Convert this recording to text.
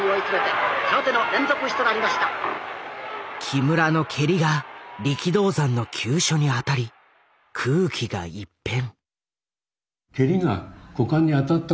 木村の蹴りが力道山の急所に当たり空気が一変。